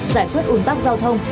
giải quyết un tắc giao thông